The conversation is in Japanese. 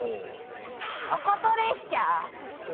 ことこと列車⁉え？